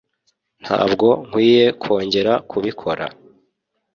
Ntabwo nkwiye kongera kubikora.